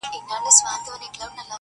په وېش ور رسېدلی په ازل کي فکر شل دی -